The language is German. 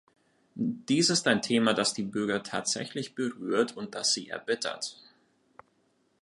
Dies ist ein Thema, das die Bürger tatsächlich berührt und das sie erbittert.